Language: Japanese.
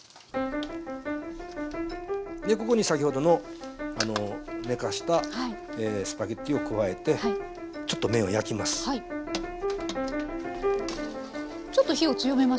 でここに先ほどの寝かせたスパゲッティを加えてちょっと麺を焼きます。